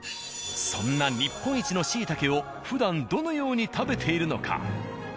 そんな日本一のシイタケをふだんどのように食べているのか？